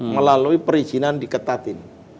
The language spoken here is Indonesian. melalui perizinan diketatin